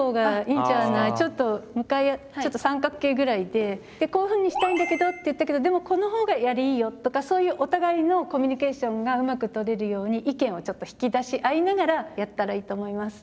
で「こういうふうにしたいんだけど」って言ったけどでもこの方がよりいいよとかそういうお互いのコミュニケーションがうまく取れるように意見をちょっと引き出し合いながらやったらいいと思います。